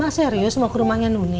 mas serius mau ke rumahnya nuni